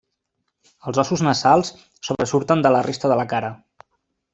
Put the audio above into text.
Els ossos nasals sobresurten de la resta de la cara.